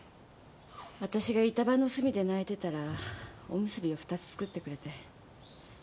私が板場の隅で泣いてたらおむすびを２つ作ってくれて。